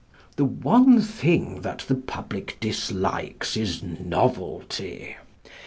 "The one thing that the public dislikes is novelty.